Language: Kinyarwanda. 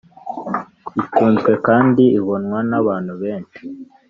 Itunzwe kandi ibonwa n’abantu benshi